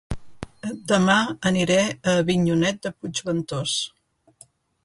Dema aniré a Avinyonet de Puigventós